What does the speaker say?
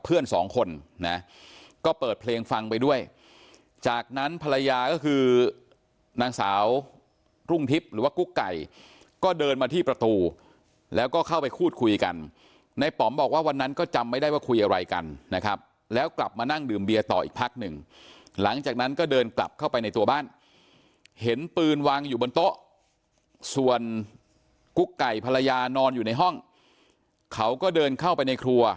เพื่อนสองคนนะก็เปิดเพลงฟังไปด้วยจากนั้นภรรยาก็คือนางสาวรุ่งทิพย์หรือว่ากุ๊กไก่ก็เดินมาที่ประตูแล้วก็เข้าไปพูดคุยกันในป๋อมบอกว่าวันนั้นก็จำไม่ได้ว่าคุยอะไรกันนะครับแล้วกลับมานั่งดื่มเบียร์ต่ออีกพักหนึ่งหลังจากนั้นก็เดินกลับเข้าไปในตัวบ้านเห็นปืนวางอยู่บนโต๊ะส่วนกุ๊กไก่ภรรยานอนอยู่ในห้องเขาก็เดินเข้าไปในครัว